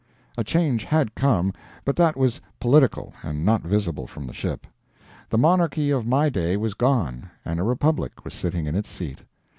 A change had come, but that was political, and not visible from the ship. The monarchy of my day was gone, and a republic was sitting in its seat.